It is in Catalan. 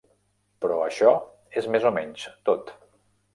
Però això és més o menys tot.